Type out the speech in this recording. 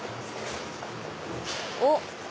おっ！